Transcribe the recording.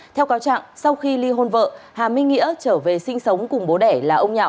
theo cáo trạng sau khi ly hôn vợ hà minh nghĩa trở về sinh sống cùng bố đẻ là ông nhạo